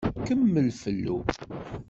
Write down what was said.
Kemmel fellu.